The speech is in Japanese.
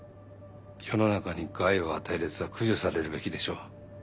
世の中に害を与えるヤツは駆除されるべきでしょ。